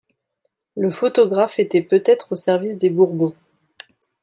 Le photographe était peut-être au service des Bourbons.